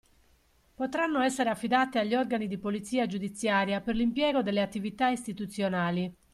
Potranno essere affidati agli organi di polizia giudiziaria per l'impiego delle attività istituzionali.